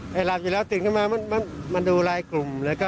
อย่าหลับอยู่แล้วตื่นขึ้นมามันดูรายกลุ่มแล้วก็